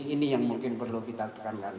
ini yang mungkin perlu kita tekankan